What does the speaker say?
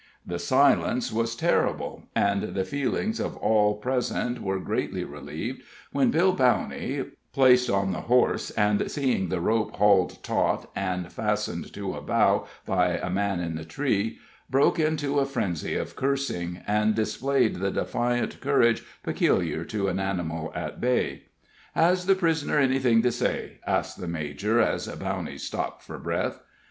The silence was terrible, and the feelings of all present were greatly relieved when Bill Bowney placed on the horse, and seeing the rope hauled taught and fastened to a bough by a man in the tree broke into a frenzy of cursing, and displayed the defiant courage peculiar to an animal at bay. "Has the prisoner anything to say?" asked the major, as Bowney stopped for breath.